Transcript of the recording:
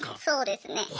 そうですね。